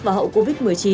và hậu covid một mươi chín